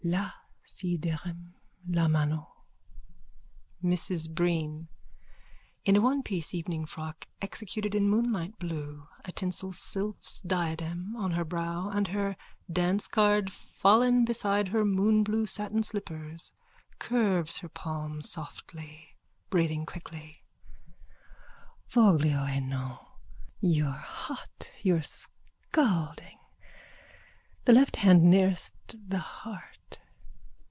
Là ci darem la mano._ MRS BREEN: _(In a onepiece evening frock executed in moonlight blue, a tinsel sylph's diadem on her brow with her dancecard fallen beside her moonblue satin slipper, curves her palm softly, breathing quickly.) Voglio e non._ You're hot! You're scalding! The left hand nearest the heart.